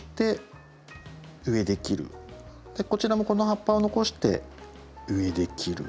こちらもこの葉っぱを残して上で切る。